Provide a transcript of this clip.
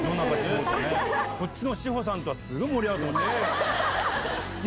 こっちの志保さんとはすっごい盛り上がってましたよ。